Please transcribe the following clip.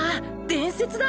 伝説だ！